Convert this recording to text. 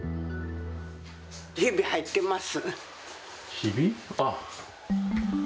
ひび入ってます。